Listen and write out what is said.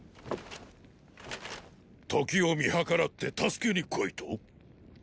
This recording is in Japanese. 刻を見計らって助けに来いと。